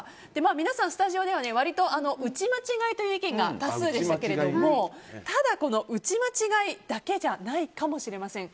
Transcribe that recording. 皆さん、スタジオでは割と打ち間違いという意見が多数でしたけれどもただ、この打ち間違いだけじゃないかもしれません。